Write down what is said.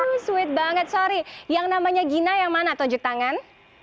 oh sweet banget sorry yang namanya gina yang mana tunjuk tangan